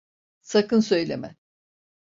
Sakın söyleme.